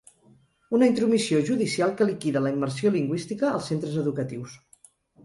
Una intromissió judicial que liquida la immersió lingüística als centres educatius.